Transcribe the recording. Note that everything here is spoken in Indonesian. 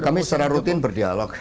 kami secara rutin berdialog